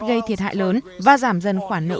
gây thiệt hại lớn và giảm dần khoản nợ